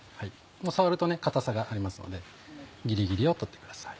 触ると硬さがありますのでギリギリを取ってください。